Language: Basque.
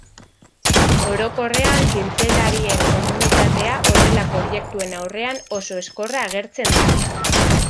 Orokorrean zientzialarien komunitatea horrelako objektuen aurrean oso ezkorra agertzen da.